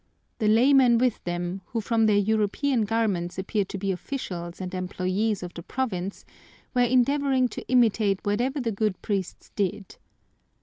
The laymen with them, who from their European garments appeared to be officials and employees of the province, were endeavoring to imitate whatever the good priests did.